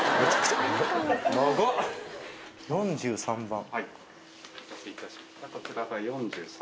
４３番。